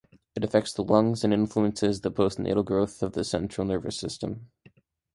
It affects the lungs and influences the postnatal growth of the central nervous system.